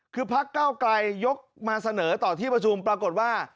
คือพักเก้าไกลยกมาเสนอต่อที่ประชุมปรากฏว่า